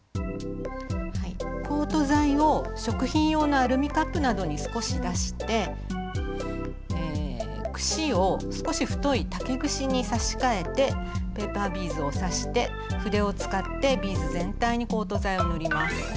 コート剤を食品用のアルミカップなどに少し出して串を少し太い竹串に差し替えてペーパービーズを挿して筆を使ってビーズ全体にコート剤を塗ります。